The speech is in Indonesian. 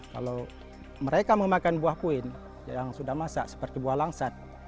kalau mereka memakan buah puin yang sudah masak seperti buah langsat